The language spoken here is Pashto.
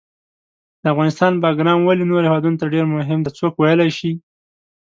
د افغانستان باګرام ولې نورو هیوادونو ته ډېر مهم ده، څوک ویلای شي؟